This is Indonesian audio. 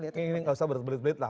ini enggak usah berbelit belit lah